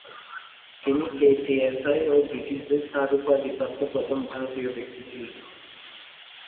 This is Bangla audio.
তিনি কেসিএসআই ও ব্রিটিশদের স্যার উপাধি প্রাপ্ত প্রথম ভারতীয় ব্যক্তি ছিলেন।